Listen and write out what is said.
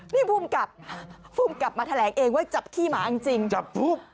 นี่ผู้กำกับผู้กำมาแถลงเองว่าจับขี้หมาจริงจับปุ๊บ